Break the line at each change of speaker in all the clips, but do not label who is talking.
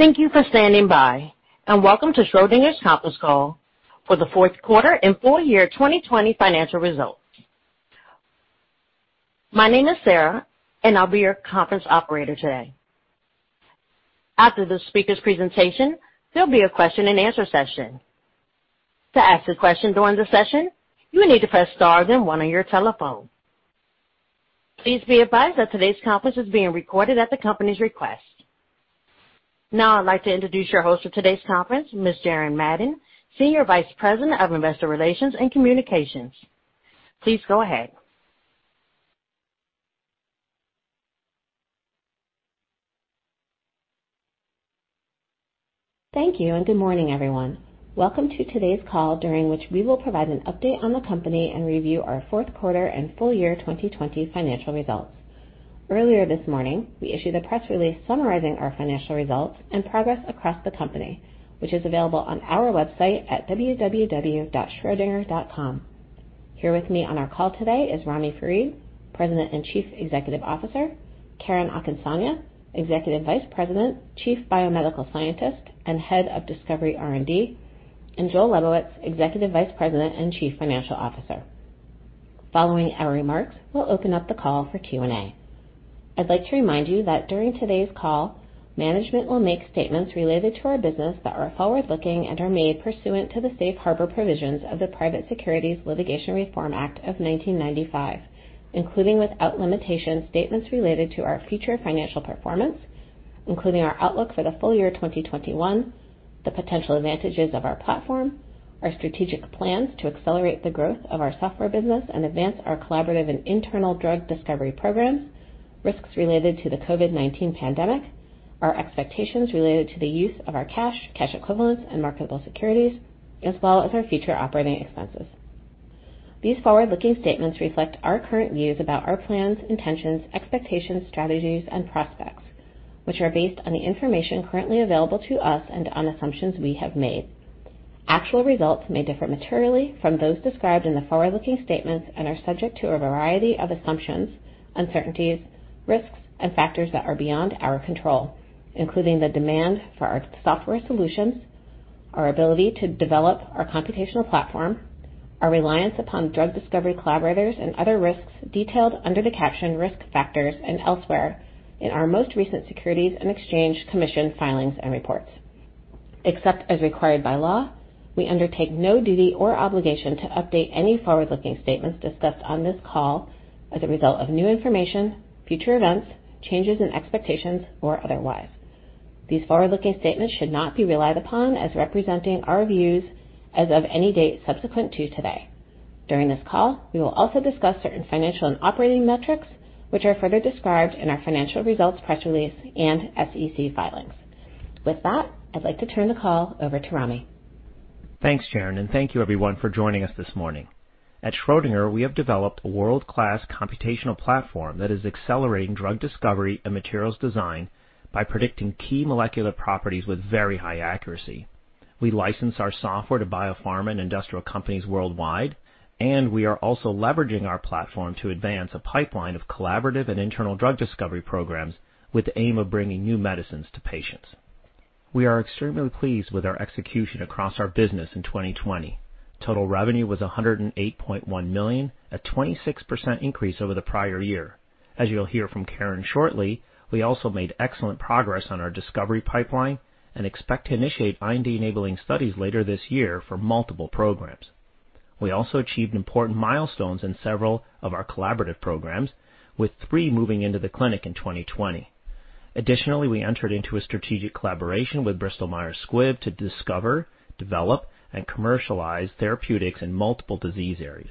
Thank you for standing by, and welcome to Schrödinger's conference call for the fourth quarter and full year 2020 financial results. My name is Sarah, and I'll be your conference operator today. After the speaker's presentation, there'll be a question and answer session. To ask a question during the session, you will need to press star then one on your telephone. Please be advised that today's conference is being recorded at the company's request. Now I'd like to introduce your host for today's conference, Ms. Jaren Madden, Senior Vice President of Investor Relations and Communications. Please go ahead.
Thank you, good morning, everyone. Welcome to today's call, during which we will provide an update on the company and review our fourth quarter and full year 2020 financial results. Earlier this morning, we issued a press release summarizing our financial results and progress across the company, which is available on our website at www.schrodinger.com. Here with me on our call today is Ramy Farid, President and Chief Executive Officer, Karen Akinsanya, Executive Vice President, Chief Biomedical Scientist, and Head of Discovery R&D, and Joel Lebowitz, Executive Vice President and Chief Financial Officer. Following our remarks, we'll open up the call for Q&A. I'd like to remind you that during today's call, management will make statements related to our business that are forward-looking and are made pursuant to the safe harbor provisions of the Private Securities Litigation Reform Act of 1995, including without limitation, statements related to our future financial performance, including our outlook for the full year 2021, the potential advantages of our platform, our strategic plans to accelerate the growth of our software business and advance our collaborative and internal drug discovery programs, risks related to the COVID-19 pandemic, our expectations related to the use of our cash equivalents, and marketable securities, as well as our future operating expenses. These forward-looking statements reflect our current views about our plans, intentions, expectations, strategies, and prospects, which are based on the information currently available to us and on assumptions we have made. Actual results may differ materially from those described in the forward-looking statements and are subject to a variety of assumptions, uncertainties, risks, and factors that are beyond our control, including the demand for our software solutions, our ability to develop our computational platform, our reliance upon drug discovery collaborators and other risks detailed under the caption Risk Factors and elsewhere in our most recent Securities and Exchange Commission filings and reports. Except as required by law, we undertake no duty or obligation to update any forward-looking statements discussed on this call as a result of new information, future events, changes in expectations, or otherwise. These forward-looking statements should not be relied upon as representing our views as of any date subsequent to today. During this call, we will also discuss certain financial and operating metrics, which are further described in our financial results press release and SEC filings. With that, I'd like to turn the call over to Ramy.
Thanks, Jaren, thank you everyone for joining us this morning. At Schrödinger, we have developed a world-class computational platform that is accelerating drug discovery and materials design by predicting key molecular properties with very high accuracy. We license our software to biopharma and industrial companies worldwide, we are also leveraging our platform to advance a pipeline of collaborative and internal drug discovery programs with the aim of bringing new medicines to patients. We are extremely pleased with our execution across our business in 2020. Total revenue was $108.1 million, a 26% increase over the prior year. As you'll hear from Karen shortly, we also made excellent progress on our discovery pipeline and expect to initiate R&D enabling studies later this year for multiple programs. We also achieved important milestones in several of our collaborative programs, with three moving into the clinic in 2020. Additionally, we entered into a strategic collaboration with Bristol Myers Squibb to discover, develop, and commercialize therapeutics in multiple disease areas.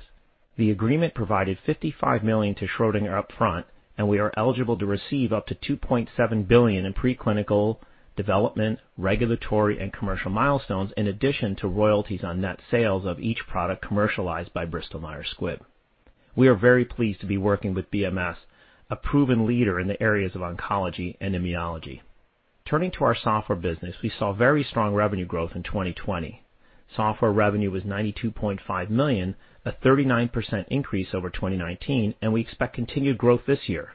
The agreement provided $55 million to Schrödinger upfront, and we are eligible to receive up to $2.7 billion in preclinical development, regulatory, and commercial milestones, in addition to royalties on net sales of each product commercialized by Bristol Myers Squibb. We are very pleased to be working with BMS, a proven leader in the areas of oncology and immunology. Turning to our software business, we saw very strong revenue growth in 2020. Software revenue was $92.5 million, a 39% increase over 2019, and we expect continued growth this year.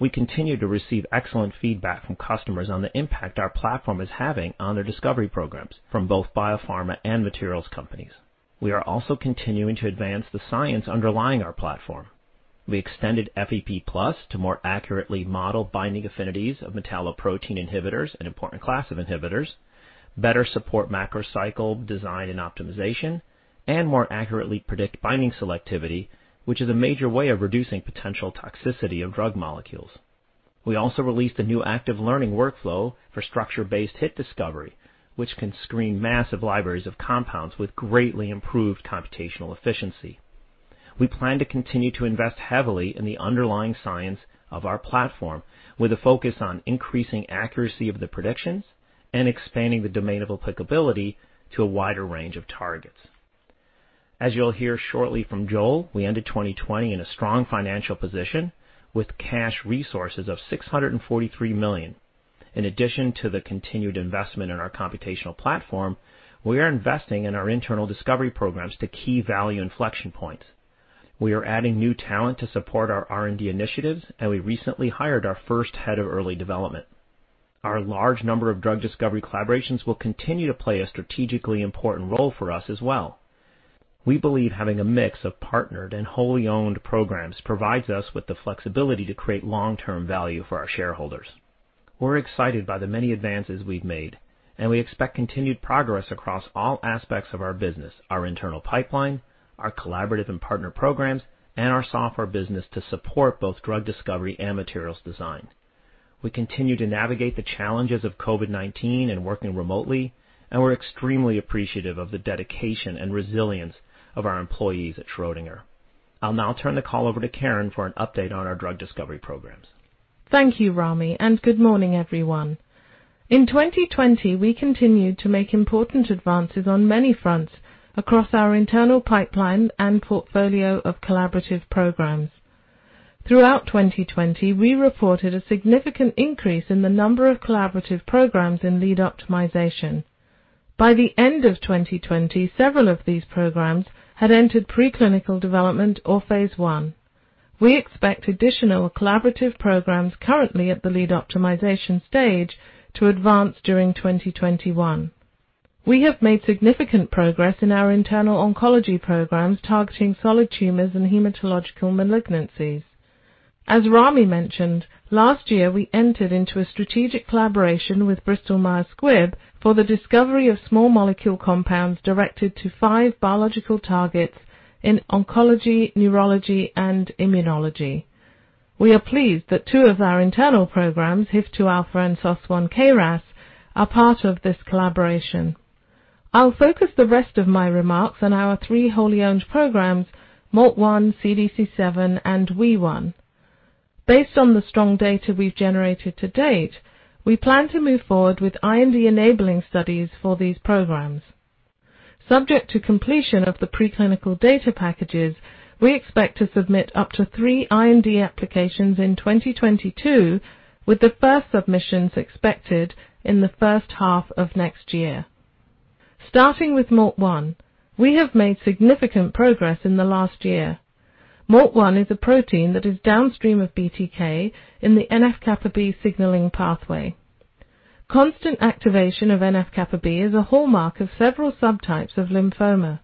We continue to receive excellent feedback from customers on the impact our platform is having on their discovery programs from both biopharma and materials companies. We are also continuing to advance the science underlying our platform. We extended FEP+ to more accurately model binding affinities of metalloprotein inhibitors, an important class of inhibitors, better support macrocycle design and optimization, and more accurately predict binding selectivity, which is a major way of reducing potential toxicity of drug molecules. We also released a new active learning workflow for structure-based hit discovery, which can screen massive libraries of compounds with greatly improved computational efficiency. We plan to continue to invest heavily in the underlying science of our platform with a focus on increasing accuracy of the predictions and expanding the domain of applicability to a wider range of targets. As you'll hear shortly from Joel, we ended 2020 in a strong financial position with cash resources of $643 million. In addition to the continued investment in our computational platform, we are investing in our internal discovery programs to key value inflection points. We are adding new talent to support our R&D initiatives, and we recently hired our first head of early development. Our large number of drug discovery collaborations will continue to play a strategically important role for us as well. We believe having a mix of partnered and wholly owned programs provides us with the flexibility to create long-term value for our shareholders. We're excited by the many advances we've made, and we expect continued progress across all aspects of our business, our internal pipeline, our collaborative and partner programs, and our software business to support both drug discovery and materials design. We continue to navigate the challenges of COVID-19 and working remotely, and we're extremely appreciative of the dedication and resilience of our employees at Schrödinger. I'll now turn the call over to Karen for an update on our Drug Discovery programs.
Thank you, Ramy, good morning, everyone. In 2020, we continued to make important advances on many fronts across our internal pipeline and portfolio of collaborative programs. Throughout 2020, we reported a significant increase in the number of collaborative programs in lead optimization. By the end of 2020, several of these programs had entered preclinical development or phase I. We expect additional collaborative programs currently at the lead optimization stage to advance during 2021. We have made significant progress in our internal oncology programs targeting solid tumors and hematological malignancies. As Ramy mentioned, last year, we entered into a strategic collaboration with Bristol Myers Squibb for the discovery of small molecule compounds directed to 5 biological targets in oncology, neurology, and immunology. We are pleased that two of our internal programs, HIF2A and SOS1-KRAS, are part of this collaboration. I'll focus the rest of my remarks on our three wholly owned programs, MALT1, CDC7, and WEE1. Based on the strong data we've generated to date, we plan to move forward with IND-enabling studies for these programs. Subject to completion of the preclinical data packages, we expect to submit up to three IND applications in 2022, with the first submissions expected in the first half of next year. Starting with MALT1, we have made significant progress in the last year. MALT1 is a protein that is downstream of BTK in the NF-κB signaling pathway. Constant activation of NF-κB is a hallmark of several subtypes of lymphoma.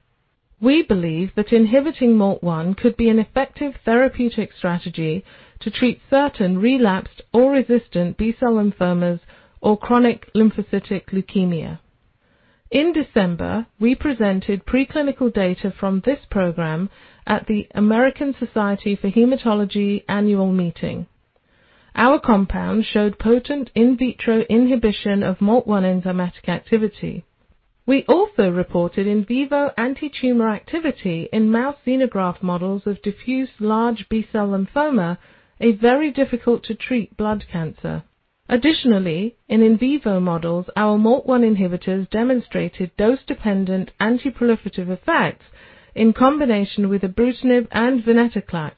We believe that inhibiting MALT1 could be an effective therapeutic strategy to treat certain relapsed or resistant B-cell lymphomas or chronic lymphocytic leukemia. In December, we presented preclinical data from this program at the American Society of Hematology Annual Meeting. Our compound showed potent in vitro inhibition of MALT1 enzymatic activity. We also reported in vivo antitumor activity in mouse xenograft models of diffuse large B-cell lymphoma, a very difficult to treat blood cancer. Additionally, in in vivo models, our MALT1 inhibitors demonstrated dose-dependent antiproliferative effects in combination with ibrutinib and venetoclax,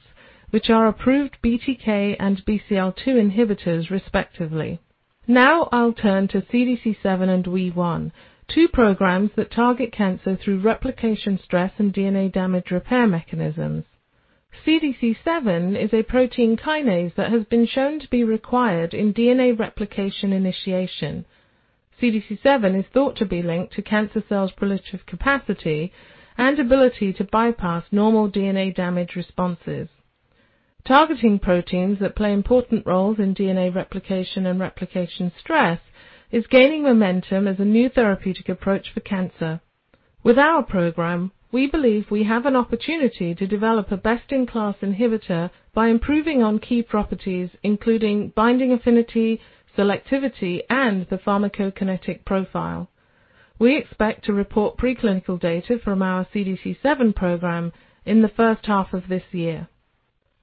which are approved BTK and BCL-2 inhibitors respectively. Now I'll turn to CDC7 and WEE1, two programs that target cancer through replication stress and DNA damage repair mechanisms. CDC7 is a protein kinase that has been shown to be required in DNA replication initiation. CDC7 is thought to be linked to cancer cells' proliferative capacity and ability to bypass normal DNA damage responses. Targeting proteins that play important roles in DNA replication and replication stress is gaining momentum as a new therapeutic approach for cancer. With our program, we believe we have an opportunity to develop a best-in-class inhibitor by improving on key properties, including binding affinity, selectivity, and the pharmacokinetic profile. We expect to report preclinical data from our CDC7 program in the first half of this year.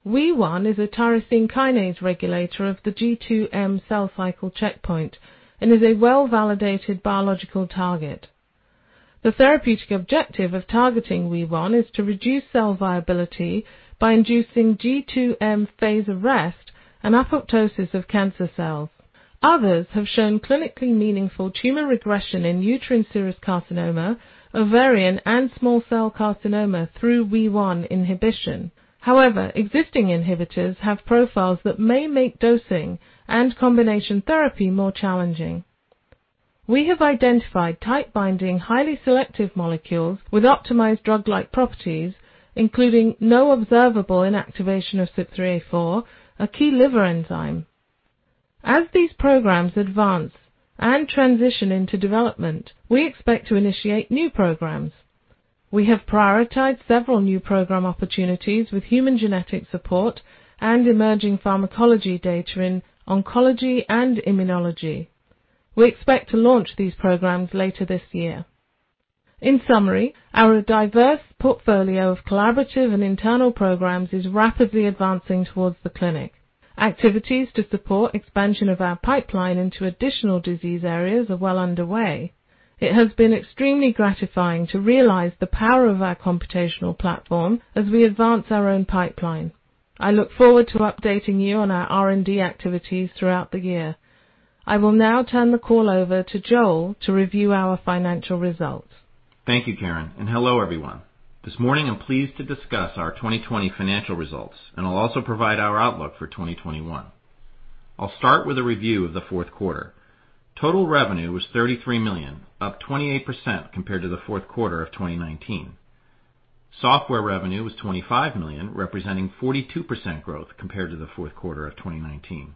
WEE1 is a tyrosine kinase regulator of the G2M cell cycle checkpoint and is a well-validated biological target. The therapeutic objective of targeting WEE1 is to reduce cell viability by inducing G2M phase arrest and apoptosis of cancer cells. Others have shown clinically meaningful tumor regression in uterine serous carcinoma, ovarian, and small cell carcinoma through WEE1 inhibition. However, existing inhibitors have profiles that may make dosing and combination therapy more challenging. We have identified tight-binding, highly selective molecules with optimized drug-like properties, including no observable inactivation of CYP3A4, a key liver enzyme. As these programs advance and transition into development, we expect to initiate new programs. We have prioritized several new program opportunities with human genetic support and emerging pharmacology data in oncology and immunology. We expect to launch these programs later this year. In summary, our diverse portfolio of collaborative and internal programs is rapidly advancing towards the clinic. Activities to support expansion of our pipeline into additional disease areas are well underway. It has been extremely gratifying to realize the power of our computational platform as we advance our own pipeline. I look forward to updating you on our R&D activities throughout the year. I will now turn the call over to Joel to review our financial results.
Thank you, Karen, and hello, everyone. This morning, I'm pleased to discuss our 2020 financial results, and I'll also provide our outlook for 2021. I'll start with a review of the fourth quarter. Total revenue was $33 million, up 28% compared to the fourth quarter of 2019. Software revenue was $25 million, representing 42% growth compared to the fourth quarter of 2019.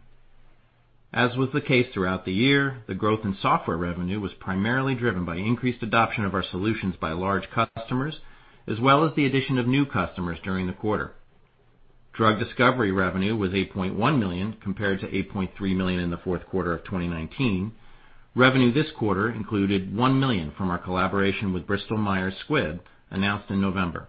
As was the case throughout the year, the growth in software revenue was primarily driven by increased adoption of our solutions by large customers, as well as the addition of new customers during the quarter. Drug discovery revenue was $8.1 million, compared to $8.3 million in the fourth quarter of 2019. Revenue this quarter included $1 million from our collaboration with Bristol Myers Squibb, announced in November.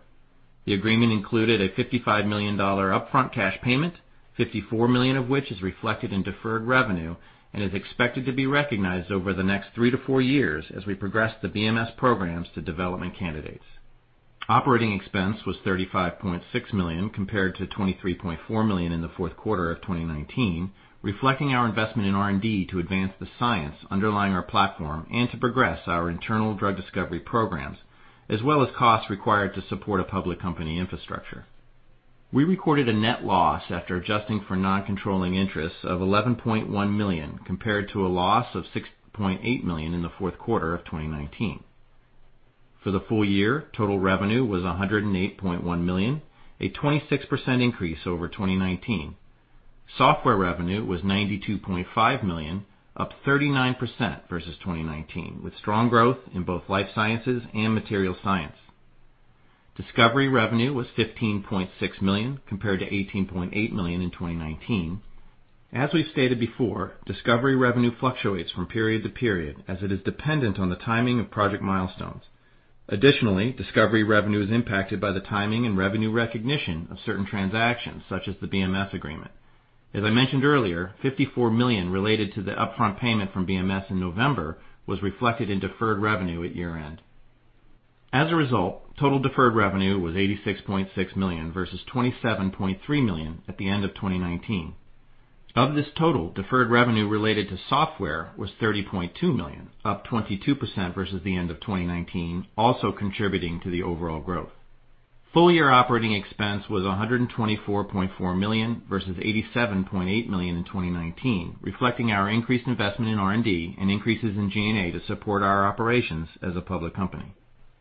The agreement included a $55 million upfront cash payment, $54 million of which is reflected in deferred revenue and is expected to be recognized over the next 3-4 years as we progress the BMS programs to development candidates. Operating expense was $35.6 million, compared to $23.4 million in the fourth quarter of 2019, reflecting our investment in R&D to advance the science underlying our platform and to progress our internal drug discovery programs, as well as costs required to support a public company infrastructure. We recorded a net loss after adjusting for non-controlling interests of $11.1 million, compared to a loss of $6.8 million in the fourth quarter of 2019. For the full year, total revenue was $108.1 million, a 26% increase over 2019. Software revenue was $92.5 million, up 39% versus 2019, with strong growth in both life sciences and material science. Discovery revenue was $15.6 million, compared to $18.8 million in 2019. As we've stated before, discovery revenue fluctuates from period to period, as it is dependent on the timing of project milestones. Additionally, discovery revenue is impacted by the timing and revenue recognition of certain transactions, such as the BMS agreement. As I mentioned earlier, $54 million related to the upfront payment from BMS in November was reflected in deferred revenue at year-end. As a result, total deferred revenue was $86.6 million versus $27.3 million at the end of 2019. Of this total, deferred revenue related to software was $30.2 million, up 22% versus the end of 2019, also contributing to the overall growth. Full-year operating expense was $124.4 million, versus $87.8 million in 2019, reflecting our increased investment in R&D and increases in G&A to support our operations as a public company.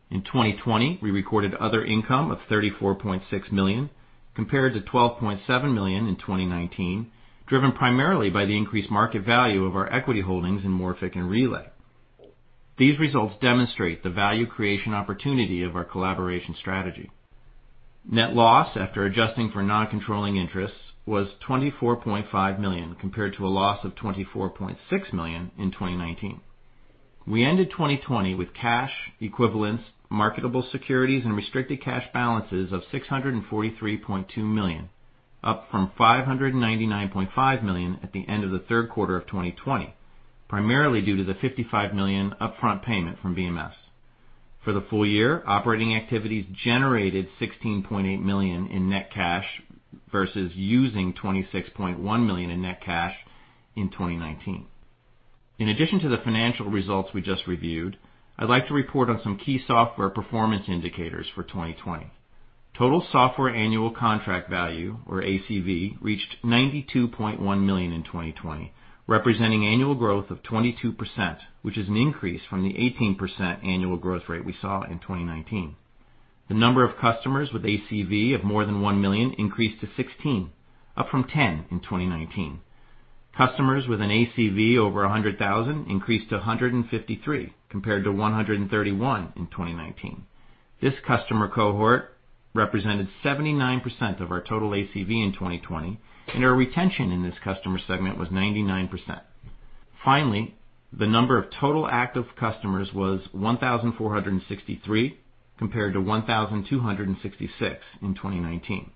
In 2020, we recorded other income of $34.6 million, compared to $12.7 million in 2019, driven primarily by the increased market value of our equity holdings in Morphic and Relay. These results demonstrate the value creation opportunity of our collaboration strategy. Net loss, after adjusting for non-controlling interests, was $24.5 million, compared to a loss of $24.6 million in 2019. We ended 2020 with cash equivalents, marketable securities, and restricted cash balances of $643.2 million, up from $599.5 million at the end of the third quarter of 2020, primarily due to the $55 million upfront payment from BMS. For the full year, operating activities generated $16.8 million in net cash versus using $26.1 million in net cash in 2019. In addition to the financial results we just reviewed, I'd like to report on some key software performance indicators for 2020. Total software Annual Contract Value, or ACV, reached $92.1 million in 2020, representing annual growth of 22%, which is an increase from the 18% annual growth rate we saw in 2019. The number of customers with ACV of more than $1 million increased to 16, up from 10 in 2019. Customers with an ACV over $100,000 increased to 153, compared to 131 in 2019. This customer cohort represented 79% of our total ACV in 2020, and our retention in this customer segment was 99%. Finally, the number of total active customers was 1,463, compared to 1,266 in 2019.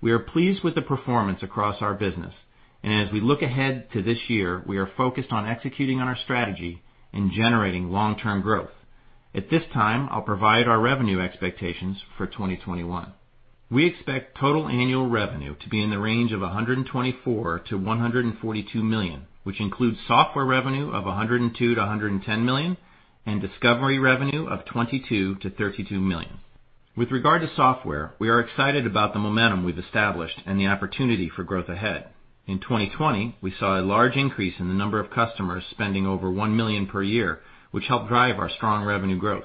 We are pleased with the performance across our business, and as we look ahead to this year, we are focused on executing on our strategy and generating long-term growth. At this time, I'll provide our revenue expectations for 2021. We expect total annual revenue to be in the range of $124 million-$142 million, which includes software revenue of $102 million-$110 million, and discovery revenue of $22 million-$32 million. With regard to software, we are excited about the momentum we've established and the opportunity for growth ahead. In 2020, we saw a large increase in the number of customers spending over $1 million per year, which helped drive our strong revenue growth.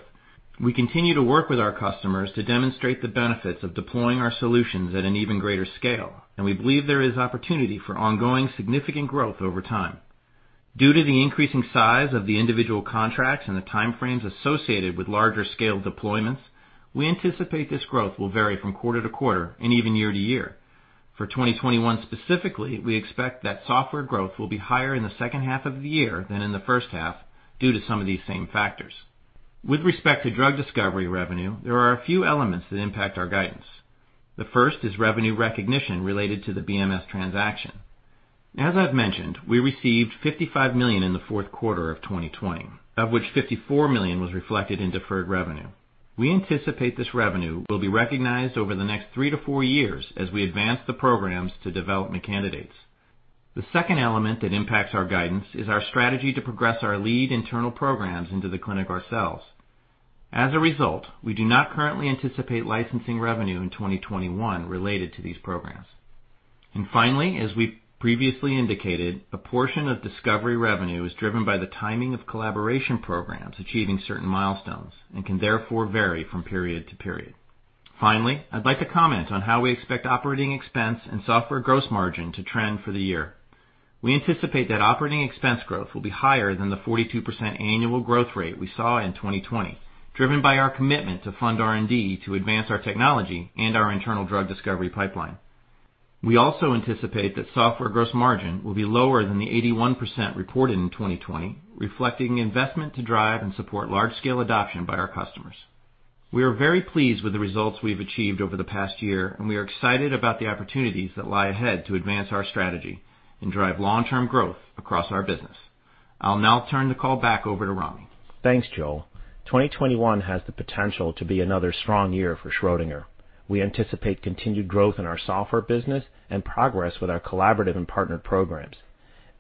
We continue to work with our customers to demonstrate the benefits of deploying our solutions at an even greater scale, and we believe there is opportunity for ongoing significant growth over time. Due to the increasing size of the individual contracts and the timeframes associated with larger scale deployments, we anticipate this growth will vary from quarter to quarter and even year to year. For 2021, specifically, we expect that software growth will be higher in the second half of the year than in the first half due to some of these same factors. With respect to drug discovery revenue, there are a few elements that impact our guidance. The first is revenue recognition related to the BMS transaction. As I've mentioned, we received $55 million in the fourth quarter of 2020, of which $54 million was reflected in deferred revenue. We anticipate this revenue will be recognized over the next three to four years as we advance the programs to development candidates. The second element that impacts our guidance is our strategy to progress our lead internal programs into the clinic ourselves. As a result, we do not currently anticipate licensing revenue in 2021 related to these programs. Finally, as we previously indicated, a portion of discovery revenue is driven by the timing of collaboration programs achieving certain milestones and can therefore vary from period to period. Finally, I'd like to comment on how we expect operating expense and software gross margin to trend for the year. We anticipate that operating expense growth will be higher than the 42% annual growth rate we saw in 2020, driven by our commitment to fund R&D to advance our technology and our internal drug discovery pipeline. We also anticipate that software gross margin will be lower than the 81% reported in 2020, reflecting investment to drive and support large-scale adoption by our customers. We are very pleased with the results we've achieved over the past year, and we are excited about the opportunities that lie ahead to advance our strategy and drive long-term growth across our business. I'll now turn the call back over to Ramy.
Thanks, Joel. 2021 has the potential to be another strong year for Schrödinger. We anticipate continued growth in our software business and progress with our collaborative and partnered programs.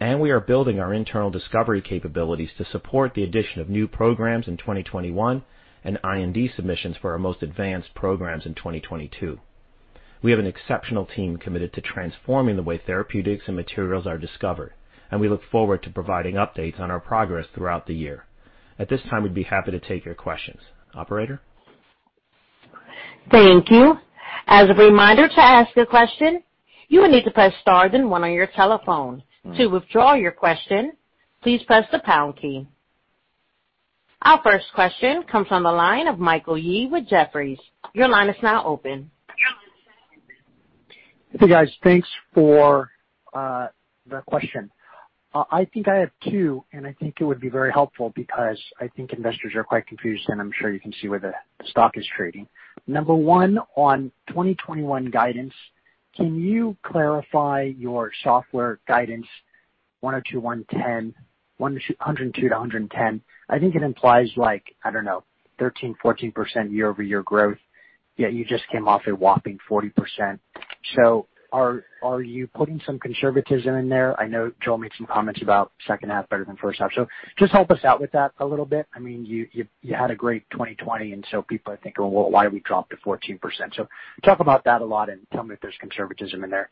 We are building our internal discovery capabilities to support the addition of new programs in 2021 and IND submissions for our most advanced programs in 2022. We have an exceptional team committed to transforming the way therapeutics and materials are discovered, and we look forward to providing updates on our progress throughout the year. At this time, we'd be happy to take your questions. Operator?
Thank you. As a reminder, to ask a question, you will need to press star then one on your telephone. To withdraw your question, please press the pound key. Our first question comes on the line of Michael Yee with Jefferies. Your line is now open.
Hey, guys. Thanks for the question. I think I have two, and I think it would be very helpful because I think investors are quite confused, and I'm sure you can see where the stock is trading. Number one, on 2021 guidance, can you clarify your software guidance, $102-$110? I think it implies like, I don't know, 13, 14% year-over-year growth, yet you just came off a whopping 40%. Are you putting some conservatism in there? I know Joel made some comments about second half better than first half. Just help us out with that a little bit. You had a great 2020, people are thinking, "Well, why do we drop to 14%?" Talk about that a lot and tell me if there's conservatism in there.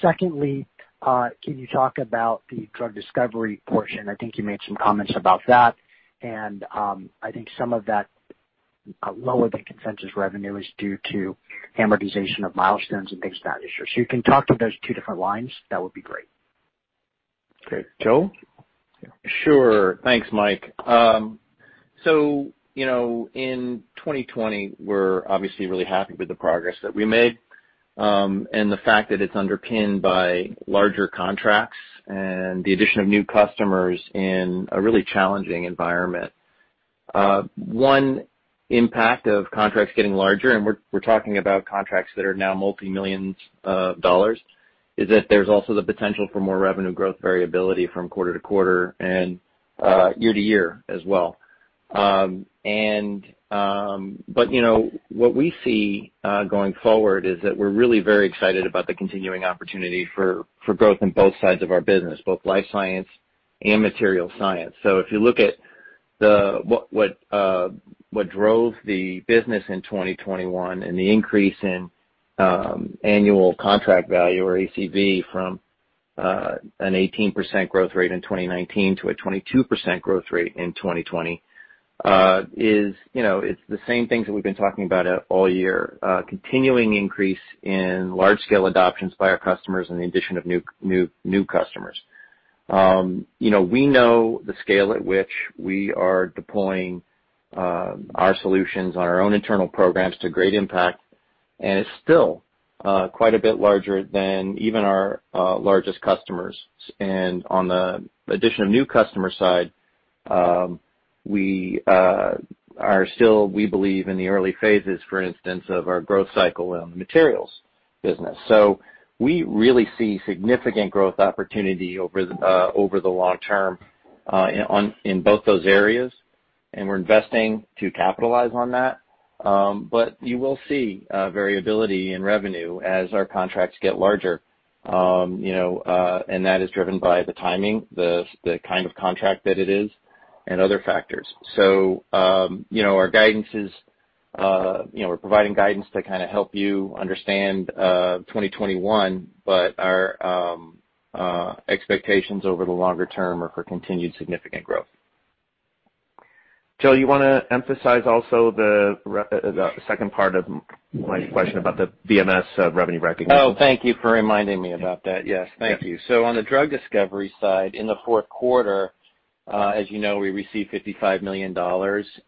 Secondly, can you talk about the drug discovery portion? I think you made some comments about that. I think some of that lower than consensus revenue is due to amortization of milestones and things of that nature. You can talk to those two different lines, that would be great.
Great. Joel?
Sure. Thanks, Mike. In 2020, we're obviously really happy with the progress that we made, and the fact that it's underpinned by larger contracts and the addition of new customers in a really challenging environment. One impact of contracts getting larger, and we're talking about contracts that are now multi-millions of dollars, is that there's also the potential for more revenue growth variability from quarter-to-quarter and year-to-year as well. What we see going forward is that we're really very excited about the continuing opportunity for growth in both sides of our business, both life science and material science. If you look at what drove the business in 2021 and the increase in annual contract value or ACV from an 18% growth rate in 2019 to a 22% growth rate in 2020, it's the same things that we've been talking about all year. Continuing increase in large scale adoptions by our customers and the addition of new customers. We know the scale at which we are deploying our solutions on our own internal programs to great impact, and it's still quite a bit larger than even our largest customers. On the addition of new customer side, we are still, we believe, in the early phases, for instance, of our growth cycle on the materials business. We really see significant growth opportunity over the long term in both those areas, and we're investing to capitalize on that. You will see variability in revenue as our contracts get larger, and that is driven by the timing, the kind of contract that it is, and other factors. We're providing guidance to help you understand 2021, but our expectations over the longer term are for continued significant growth.
Joel, you want to emphasize also the second part of my question about the BMS revenue recognition?
Thank you for reminding me about that. Yes, thank you. On the drug discovery side, in the fourth quarter, as you know, we received $55 million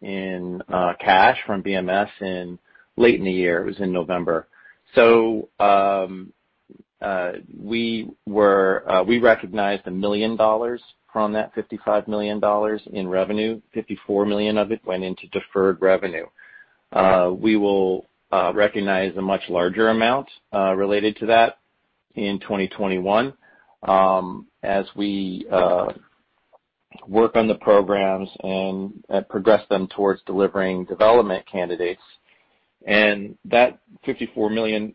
in cash from BMS late in the year. It was in November. We recognized $1 million from that $55 million in revenue, $54 million of it went into deferred revenue. We will recognize a much larger amount related to that in 2021 as we work on the programs and progress them towards delivering development candidates. That $54 million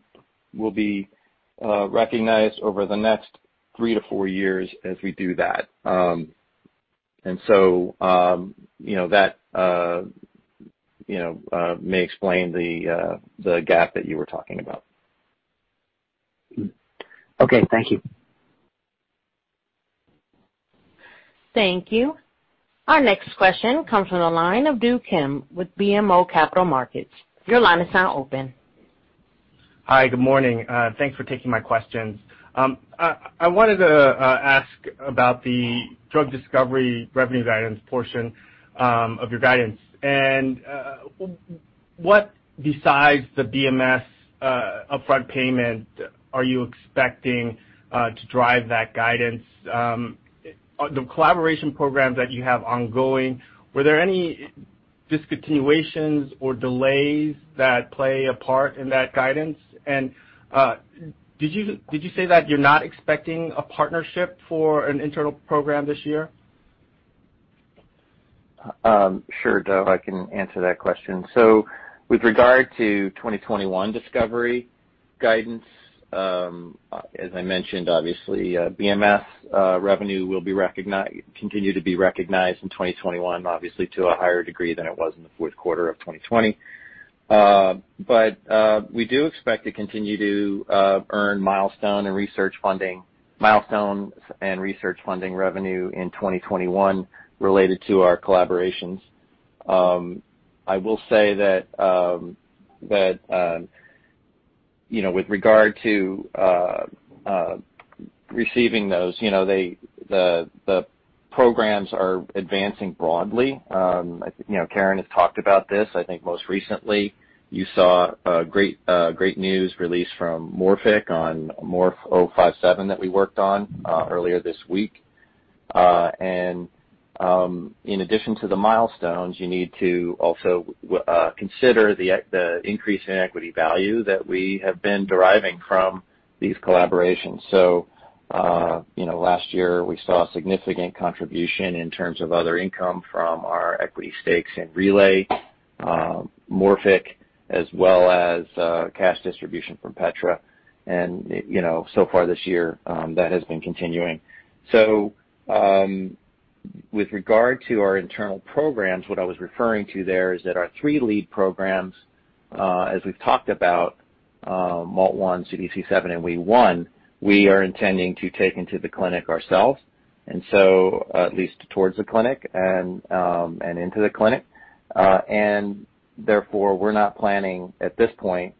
will be recognized over the next three to four years as we do that. That may explain the gap that you were talking about.
Okay. Thank you.
Thank you. Our next question comes from the line of Do Kim with BMO Capital Markets. Your line is now open.
Hi. Good morning. Thanks for taking my questions. I wanted to ask about the drug discovery revenue guidance portion of your guidance. What, besides the BMS upfront payment, are you expecting to drive that guidance? The collaboration programs that you have ongoing, were there any discontinuations or delays that play a part in that guidance? Did you say that you're not expecting a partnership for an internal program this year?
Sure, Do, I can answer that question. With regard to 2021 discovery guidance, as I mentioned, obviously, BMS revenue will continue to be recognized in 2021, obviously to a higher degree than it was in the fourth quarter of 2020. We do expect to continue to earn milestone and research funding revenue in 2021 related to our collaborations. I will say that with regard to receiving those, the programs are advancing broadly. Karen has talked about this. I think most recently you saw a great news release from Morphic on MORF-057 that we worked on earlier this week. In addition to the milestones, you need to also consider the increase in equity value that we have been deriving from these collaborations. Last year we saw a significant contribution in terms of other income from our equity stakes in Relay, Morphic, as well as cash distribution from Petra. So far this year, that has been continuing. With regard to our internal programs, what I was referring to there is that our three lead programs, as we've talked about, MALT1, CDC7, and WEE1, we are intending to take into the clinic ourselves, at least towards the clinic and into the clinic. Therefore, we're not planning at this point,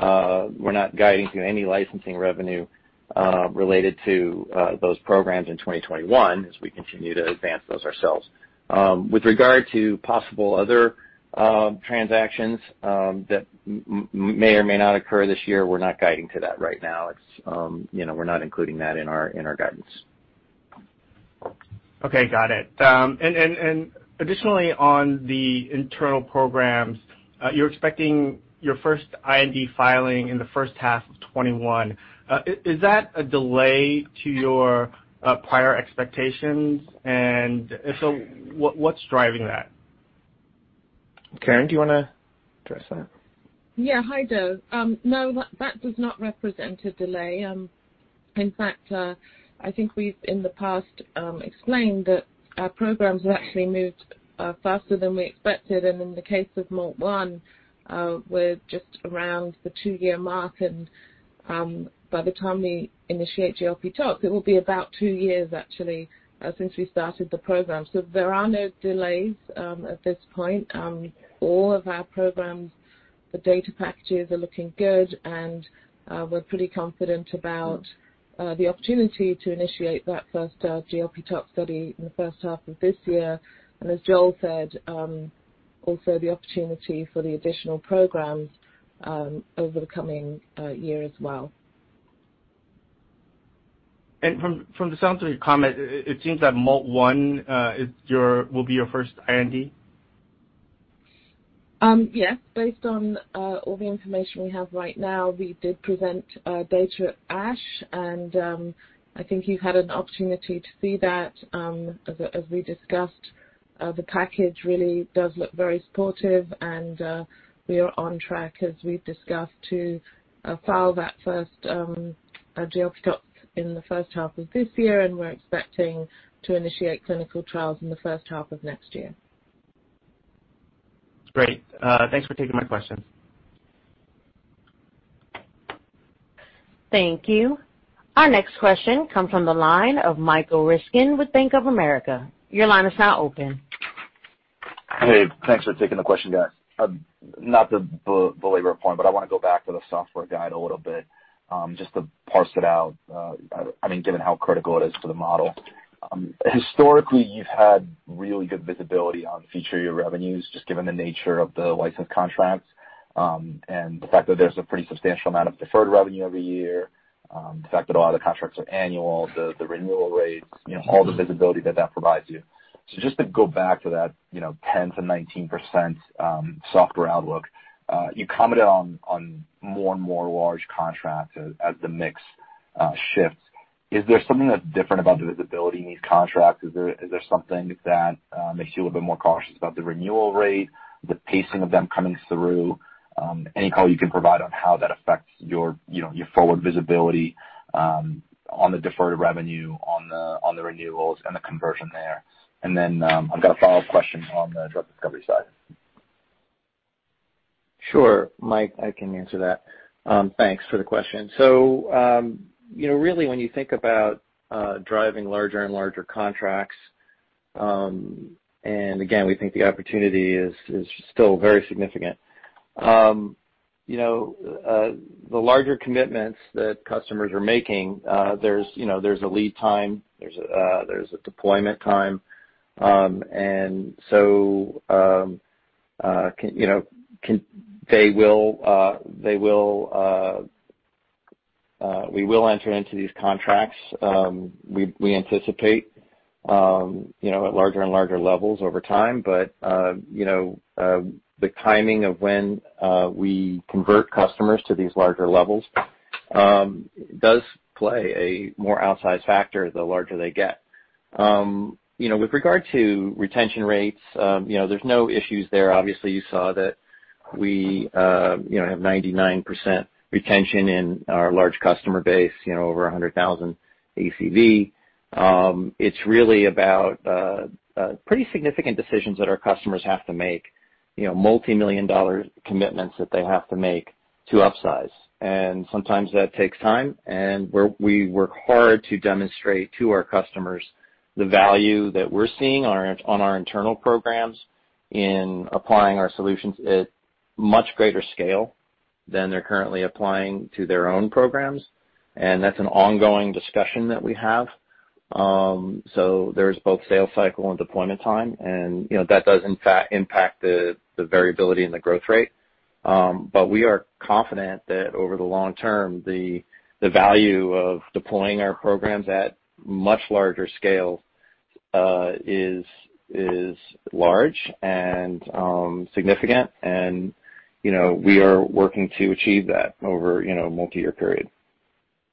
we're not guiding to any licensing revenue related to those programs in 2021 as we continue to advance those ourselves. With regard to possible other transactions that may or may not occur this year, we're not guiding to that right now. We're not including that in our guidance.
Okay. Got it. Additionally, on the internal programs, you're expecting your first IND filing in the first half of 2021. Is that a delay to your prior expectations? If so, what's driving that?
Karen, do you want to address that?
Yeah. Hi, Do. That does not represent a delay. In fact, I think we've, in the past, explained that our programs have actually moved faster than we expected. In the case of MALT1, we're just around the 2-year mark. By the time we initiate GLP tox, it will be about 2 years actually since we started the program. There are no delays at this point. All of our programs, the data packages are looking good, and we're pretty confident about the opportunity to initiate that first GLP tox study in the first half of this year. As Joel said, also the opportunity for the additional programs over the coming year as well.
From the sound of your comment, it seems that MALT1 will be your first IND.
Yes. Based on all the information we have right now, we did present data at ASH, and I think you've had an opportunity to see that. As we discussed, the package really does look very supportive, and we are on track, as we've discussed, to file that first GLP tox in the first half of this year. We're expecting to initiate clinical trials in the first half of next year.
Great. Thanks for taking my question.
Thank you. Our next question comes from the line of Michael Ryskin with Bank of America. Your line is now open.
Hey, thanks for taking the question, guys. Not to belabor a point, I want to go back to the software guide a little bit, just to parse it out. Given how critical it is to the model. Historically, you've had really good visibility on future year revenues, just given the nature of the license contracts, the fact that there's a pretty substantial amount of deferred revenue every year, the fact that a lot of the contracts are annual, the renewal rates all the visibility that that provides you. Just to go back to that 10%-19% software outlook, you commented on more and more large contracts as the mix shifts. Is there something that's different about the visibility in these contracts? Is there something that makes you a little bit more cautious about the renewal rate, the pacing of them coming through? Any color you can provide on how that affects your forward visibility on the deferred revenue, on the renewals, and the conversion there? I've got a follow-up question on the drug discovery side.
Sure. Mike, I can answer that. Thanks for the question. Really when you think about driving larger and larger contracts, and again, we think the opportunity is still very significant. The larger commitments that customers are making, there's a lead time, there's a deployment time. We will enter into these contracts, we anticipate, at larger and larger levels over time. The timing of when we convert customers to these larger levels does play a more outsized factor the larger they get. With regard to retention rates, there's no issues there. Obviously, you saw that we have 99% retention in our large customer base over $100,000 ACV. It's really about pretty significant decisions that our customers have to make, multimillion-dollar commitments that they have to make to upsize. Sometimes that takes time, and we work hard to demonstrate to our customers the value that we're seeing on our internal programs in applying our solutions at much greater scale than they're currently applying to their own programs. That's an ongoing discussion that we have. There's both sales cycle and deployment time, and that does in fact impact the variability in the growth rate. We are confident that over the long term, the value of deploying our programs at much larger scale is large and significant. We are working to achieve that over a multi-year period.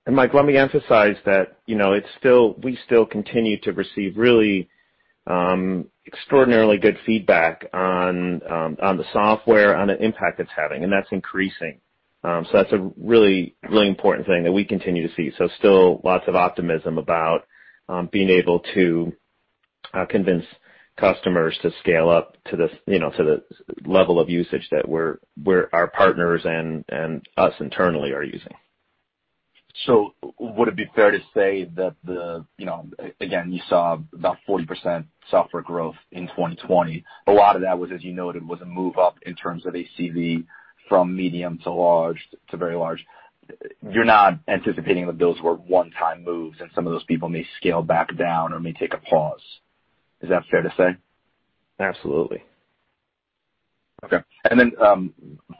Mike, let me emphasize that we still continue to receive really extraordinarily good feedback on the software, on the impact it's having, and that's increasing. That's a really important thing that we continue to see. Still lots of optimism about being able to convince customers to scale up to the level of usage that our partners and us internally are using.
Would it be fair to say that, again, you saw about 40% software growth in 2020. A lot of that was, as you noted, was a move up in terms of ACV from medium to large to very large. You're not anticipating that those were one-time moves and some of those people may scale back down or may take a pause. Is that fair to say?
Absolutely.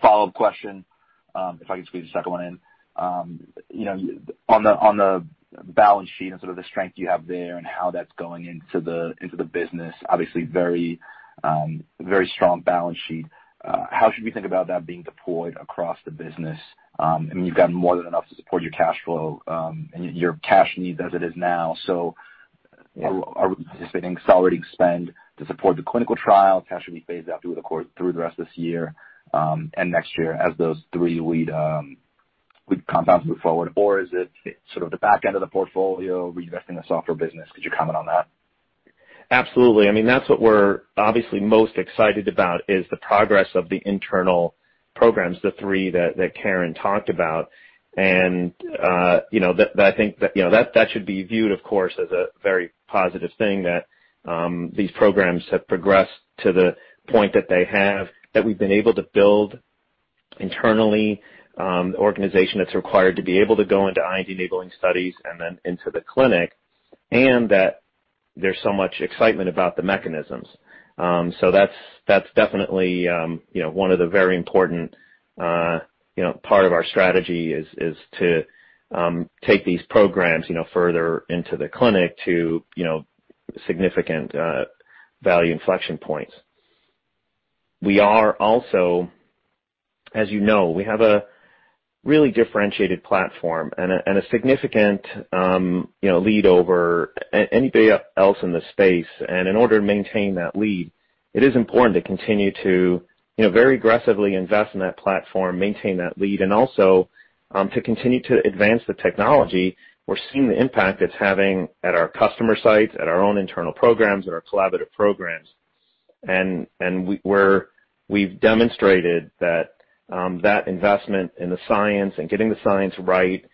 Follow-up question, if I could squeeze a second one in. On the balance sheet and sort of the strength you have there and how that's going into the business, obviously very strong balance sheet. How should we think about that being deployed across the business? I mean, you've got more than enough to support your cash flow and your cash needs as it is now. Are we anticipating accelerating spend to support the clinical trial, cash will be phased out through the course of the rest of this year and next year as those three lead compounds move forward? Or is it sort of the back end of the portfolio reinvesting the software business? Could you comment on that?
Absolutely. I mean, that's what we're obviously most excited about is the progress of the internal programs, the three that Karen talked about. I think that should be viewed, of course, as a very positive thing that these programs have progressed to the point that they have, that we've been able to build internally the organization that's required to be able to go into IND-enabling studies and then into the clinic, and that there's so much excitement about the mechanisms. That's definitely one of the very important part of our strategy is to take these programs further into the clinic to significant value inflection points. We are also, as you know, we have a really differentiated platform and a significant lead over anybody else in the space. In order to maintain that lead, it is important to continue to very aggressively invest in that platform, maintain that lead, and also to continue to advance the technology. We're seeing the impact it's having at our customer sites, at our own internal programs, at our collaborative programs. We've demonstrated that that investment in the science and getting the science right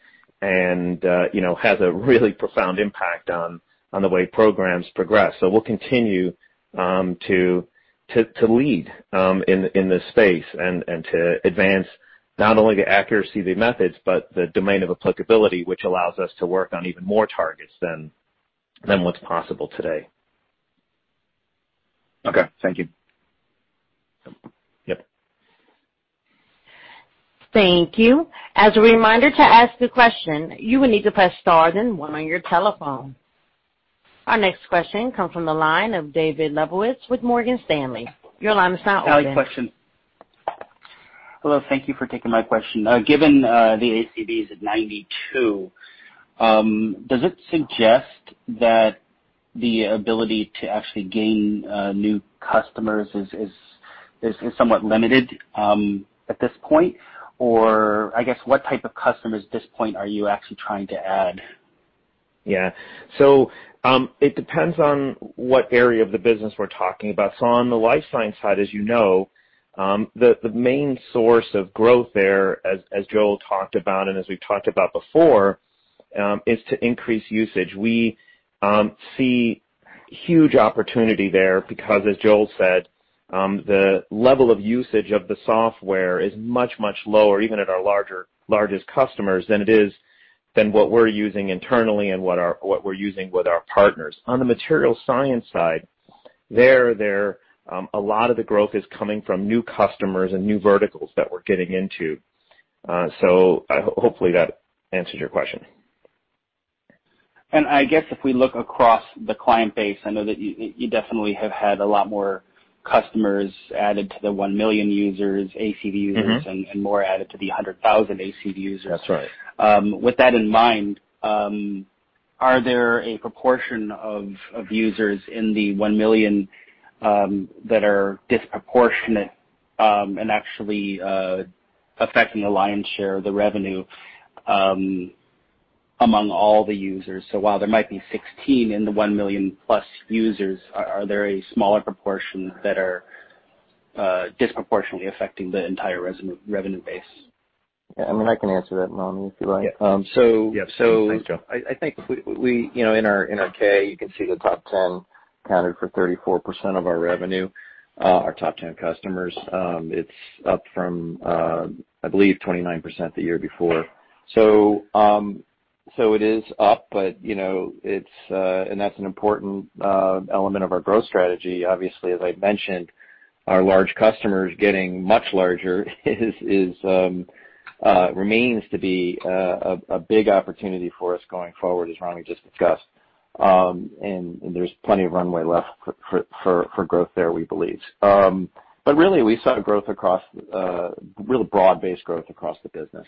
has a really profound impact on the way programs progress. We'll continue to lead in this space and to advance not only the accuracy of the methods, but the domain of applicability, which allows us to work on even more targets than what's possible today.
Okay. Thank you.
Yep.
Thank you. As a reminder, to ask a question, you will need to press star then one on your telephone. Our next question comes from the line of David Lebowitz with Morgan Stanley. Your line is now open.
Hi. Question. Hello, thank you for taking my question. Given the ACV is at $92, does it suggest that the ability to actually gain new customers is somewhat limited at this point? I guess, what type of customers at this point are you actually trying to add?
Yeah. It depends on what area of the business we're talking about. On the life science side, as you know, the main source of growth there, as Joel talked about and as we've talked about before, is to increase usage. We see huge opportunity there because, as Joel said, the level of usage of the software is much, much lower, even at our largest customers, than what we're using internally and what we're using with our partners. On the material science side, there, a lot of the growth is coming from new customers and new verticals that we're getting into. Hopefully that answers your question.
I guess if we look across the client base, I know that you definitely have had a lot more customers added to the 1 million users, ACV users. More added to the 100,000 ACV users.
That's right.
With that in mind, are there a proportion of users in the 1 million that are disproportionate and actually affecting the lion's share of the revenue among all the users? While there might be 16 in the +1 million users, are there a smaller proportion that are disproportionately affecting the entire revenue base?
Yeah, I can answer that, Ramy, if you like.
Yeah.
So-
Thanks, Joel.
I think in our K, you can see the top 10 accounted for 34% of our revenue, our top 10 customers. It's up from, I believe, 29% the year before. It is up, and that's an important element of our growth strategy. Obviously, as I mentioned, our large customers getting much larger remains to be a big opportunity for us going forward, as Ramy just discussed. There's plenty of runway left for growth there, we believe. Really, we saw growth across, a really broad-based growth across the business.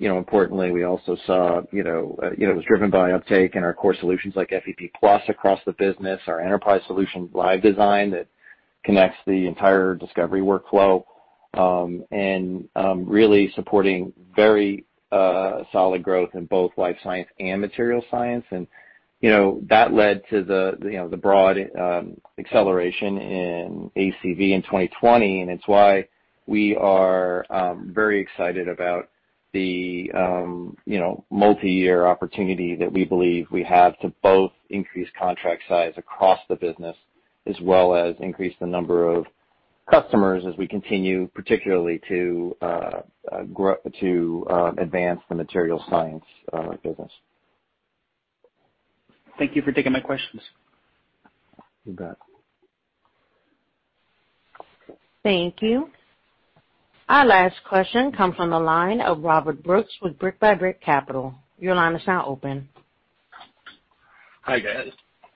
Importantly, we also saw it was driven by uptake in our core solutions like FEP+ across the business, our enterprise solution, LiveDesign, that connects the entire discovery workflow, and really supporting very solid growth in both life science and material science. That led to the broad acceleration in ACV in 2020, and it's why we are very excited about the multi-year opportunity that we believe we have to both increase contract size across the business, as well as increase the number of customers as we continue, particularly to advance the material science business.
Thank you for taking my questions.
You bet.
Thank you. Our last question comes from the line of Robert Brooks with Brick by Brick Capital. Your line is now open.
Hi, guys.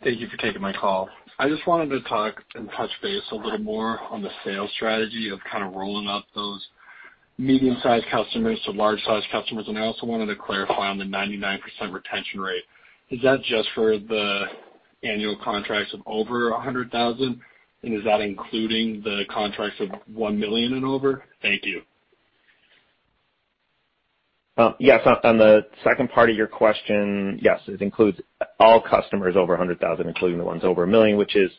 Thank you for taking my call. I just wanted to talk and touch base a little more on the sales strategy of rolling up those medium-sized customers to large-sized customers. I also wanted to clarify on the 99% retention rate. Is that just for the annual contracts of over $100,000, and is that including the contracts of $1 million and over? Thank you.
Yes. On the second part of your question, yes, it includes all customers over 100,000, including the ones over 1 million, which is,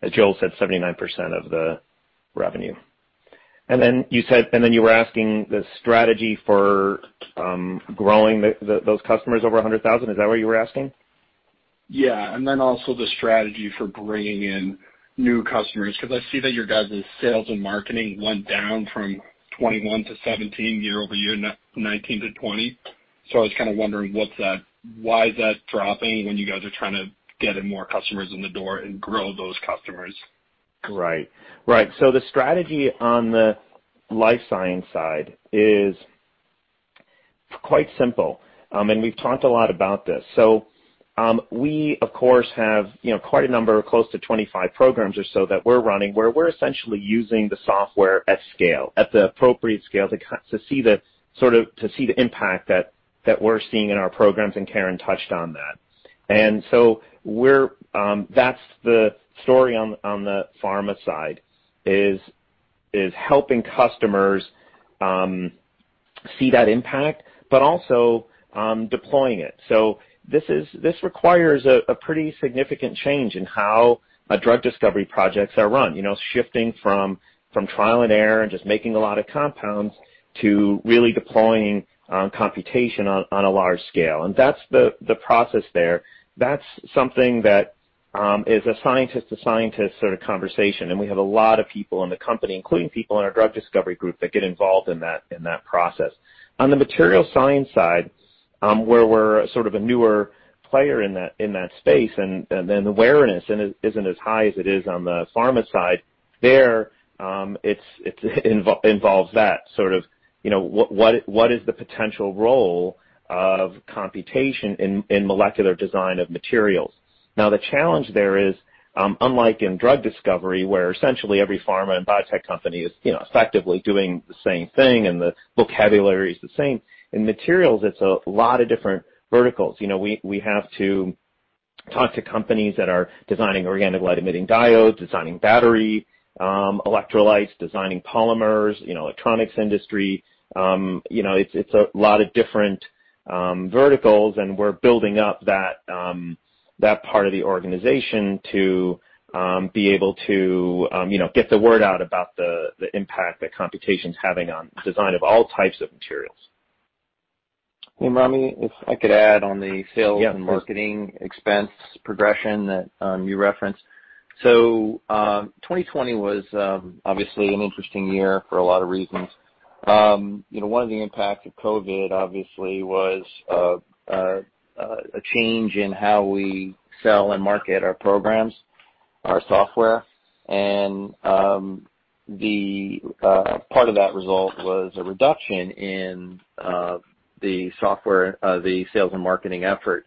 as Joel said, 79% of the revenue. Then you were asking the strategy for growing those customers over 100,000. Is that what you were asking?
Yeah. Also the strategy for bringing in new customers, because I see that your guys' sales and marketing went down from 21-17 year-over-year, 2019-2020. I was wondering why is that dropping when you guys are trying to get in more customers in the door and grow those customers?
Right. The strategy on the life science side is quite simple, and we've talked a lot about this. We of course have quite a number, close to 25 programs or so that we're running, where we're essentially using the software at scale, at the appropriate scale to see the impact that we're seeing in our programs, and Karen touched on that. That's the story on the pharma side, is helping customers see that impact, but also deploying it. This requires a pretty significant change in how drug discovery projects are run. Shifting from trial and error and just making a lot of compounds to really deploying computation on a large scale. That's the process there. That's something that is a scientist to scientist sort of conversation, and we have a lot of people in the company, including people in our drug discovery group, that get involved in that process. On the materials science side, where we're sort of a newer player in that space and the awareness isn't as high as it is on the pharma side. There, it involves that. What is the potential role of computation in molecular design of materials? The challenge there is, unlike in drug discovery, where essentially every pharma and biotech company is effectively doing the same thing, and the vocabulary is the same, in materials, it's a lot of different verticals. We have to talk to companies that are designing organic light-emitting diodes, designing battery electrolytes, designing polymers, electronics industry. It's a lot of different verticals, and we're building up that part of the organization to be able to get the word out about the impact that computation's having on the design of all types of materials.
Ramy, if I could add on the sales-
Yeah, please.
and marketing expense progression that you referenced. 2020 was obviously an interesting year for a lot of reasons. One of the impacts of COVID, obviously, was a change in how we sell and market our programs, our software. Part of that result was a reduction in the sales and marketing effort,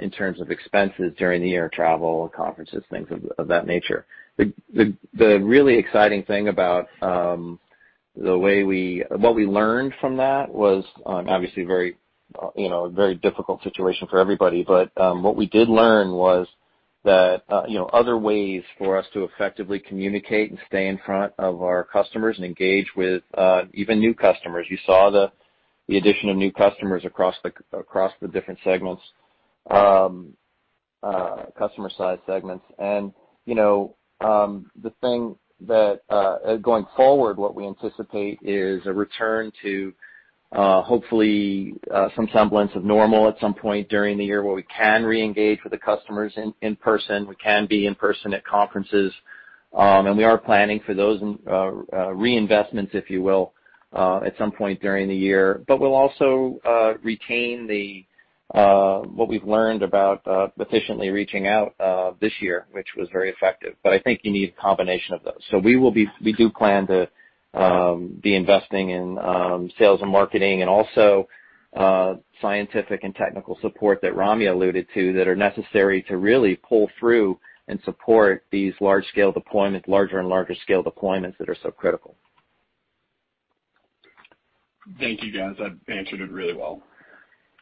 in terms of expenses during the year, travel, conferences, things of that nature. The really exciting thing about what we learned from that was, obviously, a very difficult situation for everybody. What we did learn was other ways for us to effectively communicate and stay in front of our customers and engage with even new customers. You saw the addition of new customers across the different customer size segments. Going forward, what we anticipate is a return to, hopefully, some semblance of normal at some point during the year where we can re-engage with the customers in person, we can be in person at conferences. We are planning for those reinvestments, if you will, at some point during the year. We'll also retain what we've learned about efficiently reaching out this year, which was very effective. I think you need a combination of those. We do plan to be investing in sales and marketing and also scientific and technical support that Ramy alluded to that are necessary to really pull through and support these larger and larger scale deployments that are so critical.
Thank you, guys. That answered it really well.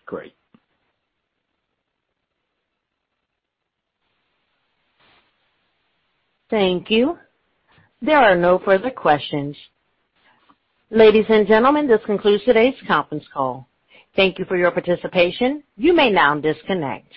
Great.
Thank you. There are no further questions. Ladies and gentlemen, this concludes today's conference call. Thank you for your participation. You may now disconnect.